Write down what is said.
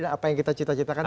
dan apa yang kita cita citakan